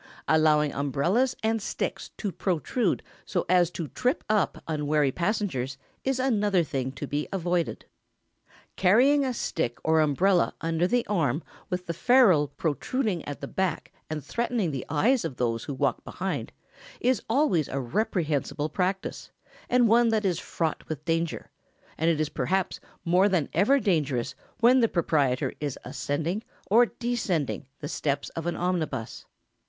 Allowing umbrellas and sticks to protrude so as to trip up unwary passengers is another thing to be avoided. [Sidenote: Carrying umbrellas and sticks.] Carrying a stick or umbrella under the arm with the ferule protruding at the back and threatening the eyes of those who walk behind, is always a reprehensible practice, and one that is fraught with danger, and it is perhaps more than ever dangerous when the proprietor is ascending or descending the steps of an omnibus.